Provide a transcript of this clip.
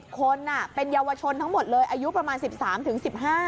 คนเป็นเยาวชนทั้งหมดเลยอายุประมาณ๑๓๑๕